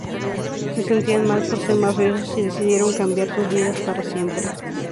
Se sentían mal por ser mafiosos y decidieron cambiar sus vidas para siempre.